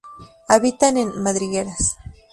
Habitan en madrigueras.